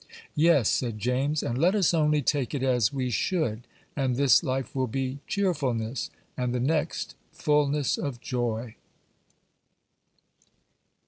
"Yes," said James; "and let us only take it as we should, and this life will be cheerfulness, and the next fulness of joy."